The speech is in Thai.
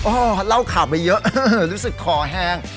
เล่าข่าวไปเยอะรู้สึกคอแห้ง